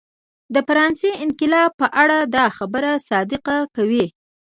د فرانسې انقلاب په اړه دا خبره صدق کوي.